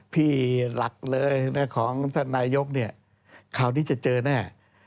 ที่หลักเลยของท่านนายกเนี่ยคราวนี้จะเจอแน่